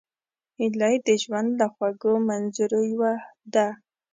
هیلۍ د ژوند له خوږو منظرو یوه ده